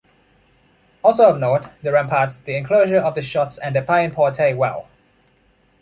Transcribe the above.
Also of note, the ramparts, the enclosure of the shots and the Païenporte well.